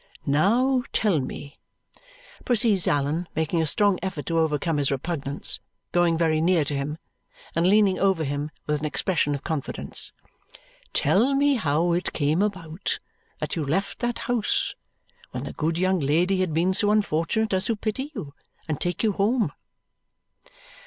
"Now tell me," proceeds Allan, making a strong effort to overcome his repugnance, going very near to him, and leaning over him with an expression of confidence, "tell me how it came about that you left that house when the good young lady had been so unfortunate as to pity you and take you home."